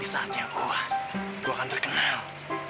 di saatnya gue gue akan terkenal